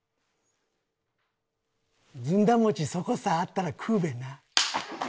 ずんだ餅そこさあっだら食うべな！